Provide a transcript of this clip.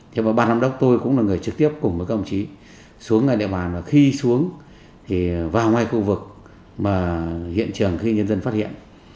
thế mà bà nông đốc tôi cũng là người trực tiếp cùng với các đồng chí xuống ngay địa bàn và khi xuống thì vào ngoài khu vực hiện trường khi nhân dân phát hiện